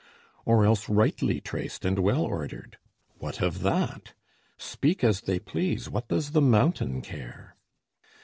or else, Rightly traced and well ordered: what of that? Speak as they please, what does the mountain care?